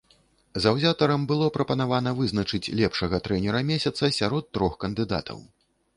Заўзятарам было прапанавана вызначыць лепшага трэнера месяца сярод трох кандыдатаў.